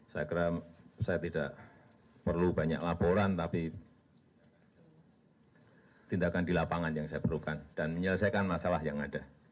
saya kira saya tidak perlu banyak laporan tapi tindakan di lapangan yang saya perlukan dan menyelesaikan masalah yang ada